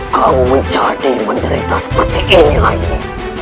kau menjadi menderita seperti ini lagi